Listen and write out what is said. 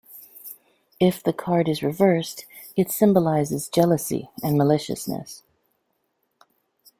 If the card is reversed, it symbolises jealousy and maliciousness.